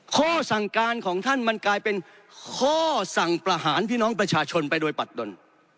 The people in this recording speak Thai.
ข้อสั่งการของท่านมันกลายเป็นข้อสั่งประหารพี่น้องประชาชนไปโดยปัดดน